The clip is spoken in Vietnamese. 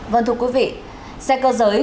vâng thưa quý vị xe cơ giới